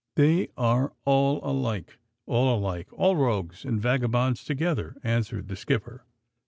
"They are all alike, all alike; all rogues and vagabonds together," answered the skipper.